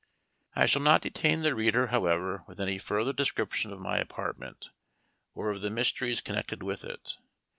I shall not detain the reader, however, with any further description of my apartment, or of the mysteries connected with it.